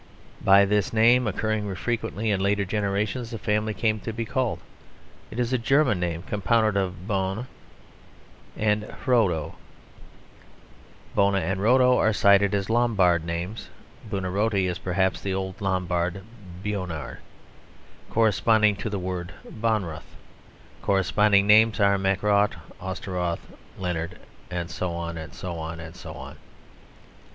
By this name recurring frequently in later generations, the family came to be called. It is a German name, compounded of Bona (=Bohn) and Hrodo, Roto (=Rohde, Rothe) Bona and Rotto are cited as Lombard names. Buonarotti is perhaps the old Lombard Beonrad, corresponding to the word Bonroth. Corresponding names are Mackrodt, Osterroth, Leonard." And so on, and so on, and so on.